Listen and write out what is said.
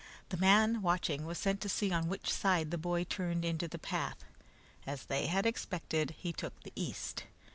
The man watching was sent to see on which side the boy turned into the path; as they had expected, he took the east.